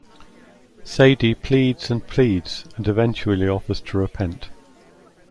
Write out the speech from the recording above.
Sadie pleads and pleads and eventually offers to repent.